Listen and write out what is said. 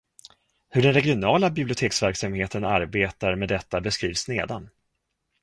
Hur den regionala biblioteksverksamheten arbetar med detta beskrivs nedan.